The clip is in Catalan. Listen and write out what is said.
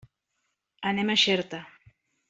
Anem a Xerta.